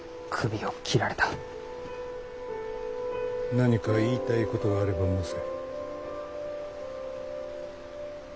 何か言いたいことがあれば申せ。